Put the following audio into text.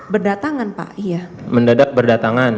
berdatangan pak iya